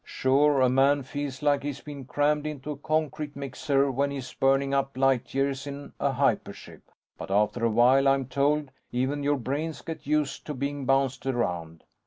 Sure, a man feels like he's been crammed into a concrete mixer when he's burning up light years in a hyper ship. But after a while, I'm told, even your brains get used to being bounced around."